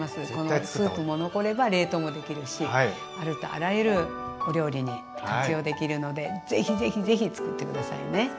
スープも残れば冷凍もできるしありとあらゆるお料理に活用できるのでぜひぜひぜひつくって下さいね！